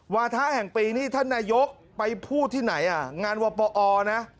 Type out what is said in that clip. วาทะแห่งปีนี่ท่านนายกไปพูดที่ไหนอ่ะงานวปอนะ